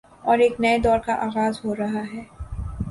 اورایک نئے دور کا آغاز ہو رہاہے۔